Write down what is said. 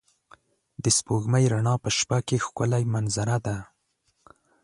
د سپوږمۍ رڼا په شپه کې ښکلی منظره ده.